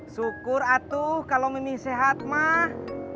syukur atuh kalo mimi sehat mak